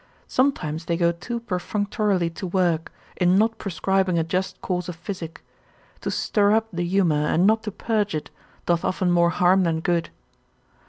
Sometimes they go too perfunctorily to work, in not prescribing a just course of physic: To stir up the humour, and not to purge it, doth often more harm than good.